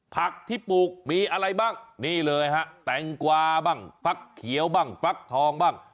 ผักที่ปลูกมีอะไรบ้างนี่เลยฮะแตงกวาบ้างฟักเขียวบ้างฟักทองบ้าง